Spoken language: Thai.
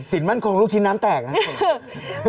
ศิลป์มั่นคงลูกชิ้นน้ำแตกครับ